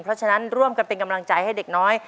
เพราะฉะนั้นร่วมกันเป็นกำลังใจให้เด็กน้อย